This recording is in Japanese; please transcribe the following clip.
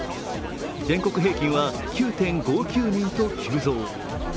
全国平均は９．５９人と急増。